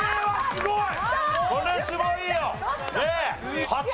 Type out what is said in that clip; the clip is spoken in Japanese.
すごい！